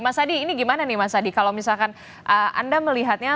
mas adi ini gimana nih mas adi kalau misalkan anda melihatnya